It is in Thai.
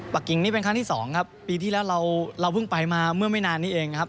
กิ่งนี่เป็นครั้งที่สองครับปีที่แล้วเราเพิ่งไปมาเมื่อไม่นานนี้เองครับ